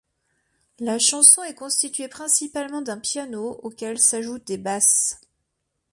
La chanson est constituée principalement d'un piano auquel s'ajoute des basses.